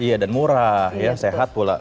iya dan murah ya sehat pula